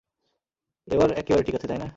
এবার এক্কেবারে ঠিক আছে, তাইনা?